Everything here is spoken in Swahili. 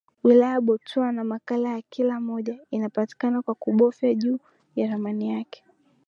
Wilaya za Botswana makala ya kila moja inapatikana kwa kubofya juu ya ramani yake